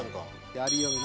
やりよるな。